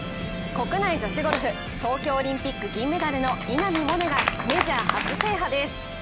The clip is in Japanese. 国内女子ゴルフ、東京オリンピック銀メダルの稲見萌寧がメジャー初制覇です。